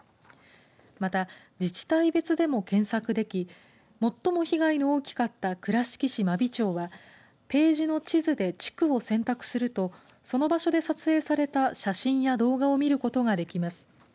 また、自治体別でも検索でき最も被害の大きかった倉敷市真備町はページの地図で地区を選択するとその場所で撮影された写真や動画を見ることができます。